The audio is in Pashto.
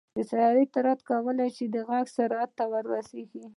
د طیارې سرعت کولی شي د غږ سرعت ته ورسېږي.